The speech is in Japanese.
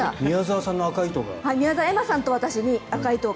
宮澤さんとの赤い糸が。